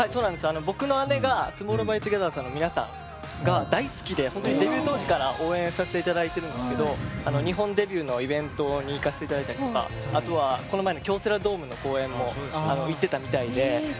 僕の姉がＴＯＭＯＲＲＯＷＸＴＯＧＥＴＨＥＲさんの皆さんが大好きで、デビュー当時から応援させていただいているんですけど日本デビューのイベントに行かせていただいたりとかあとはこの前の京セラドームの公演も行っていたみたいで。